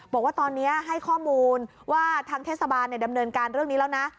บอกว่าตอนนี้ให้ข้อมูลว่าทางเทศบาลดำเนินการเรื่องนี้แล้วนะ